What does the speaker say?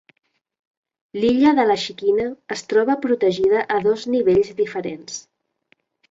L'Illa de la Xiquina es troba protegida a dos nivells diferents.